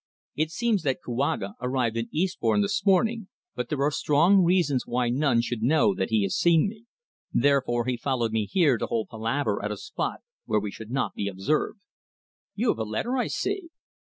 "It seems that Kouaga arrived in Eastbourne this morning, but there are strong reasons why none should know that he has seen me. Therefore he followed me here to hold palaver at a spot where we should not be observed." "You have a letter, I see."